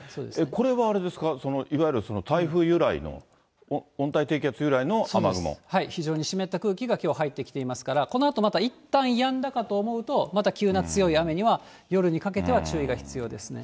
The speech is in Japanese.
これはあれですか、いわゆる台風由来の、非常に湿った空気がきょう、入ってきていますから、このあとまたいったんやんだかと思うと、また急な強い雨には夜にかけては注意が必要ですね。